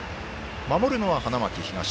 守るのは花巻東。